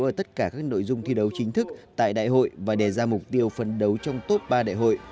ở tất cả các nội dung thi đấu chính thức tại đại hội và đề ra mục tiêu phấn đấu trong top ba đại hội